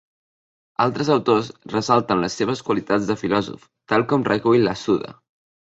Altres autors ressalten les seves qualitats de filòsof, tal com recull la Suda.